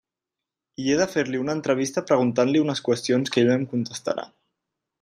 I he de fer-li una entrevista preguntant-li unes qüestions que ell em contestarà.